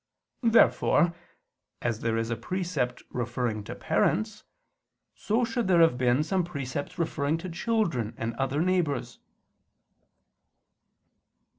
Therefore as there is a precept referring to parents, so should there have been some precepts referring to children and other neighbors.